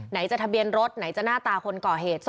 จะทะเบียนรถไหนจะหน้าตาคนก่อเหตุ